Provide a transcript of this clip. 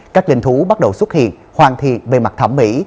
các linh thú bắt đầu xuất hiện hoàn thiện về mặt thẩm mỹ